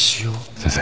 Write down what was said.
先生。